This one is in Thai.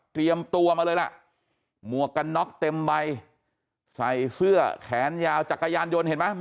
ตัวมาเลยล่ะหมวกกันน็อกเต็มใบใส่เสื้อแขนยาวจักรยานยนต์เห็นไหม